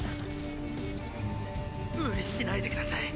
無理しないでください。